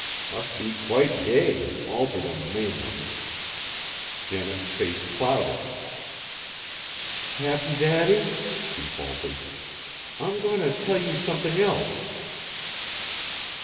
Must be quite gay an' altered on the mainland." Janet's face clouded. "Cap'n Daddy," she faltered, "I'm going to tell you something else."